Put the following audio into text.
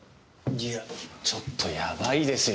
いやちょっとやばいですよ。